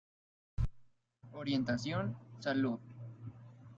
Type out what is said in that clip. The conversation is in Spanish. Orientación: Salud.